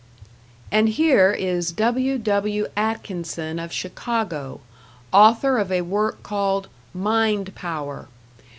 And here is W.W. Atkinson of Chicago, author of a work called "Mind Power".